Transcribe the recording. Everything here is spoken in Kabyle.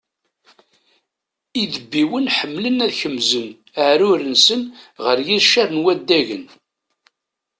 Idebbiwen ḥemmlen ad kemzen aεrur-nsen ɣer yiqcer n waddagen.